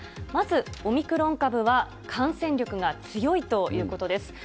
まずオミクロン株は感染力が強いということです。